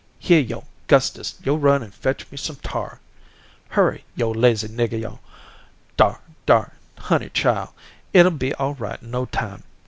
Here, yo', Gustus, yo' run and fetch me some tar. Hurry, yo' lazy niggah yo'. Dar, dar, honey chile, it'll be all right in no time.